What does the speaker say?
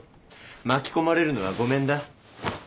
巻き込まれるのはごめんだ。